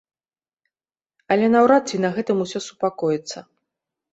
Але наўрад ці на гэтым усё супакоіцца.